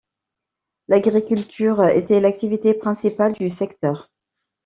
L'agriculture était l'activité principale du secteur.